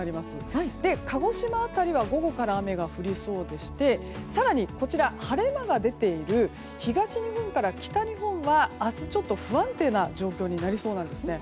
そして鹿児島辺りは午後から雨が降りそうでして更に晴れ間が出ている東日本から北日本は明日、ちょっと不安定な状況になりそうなんです。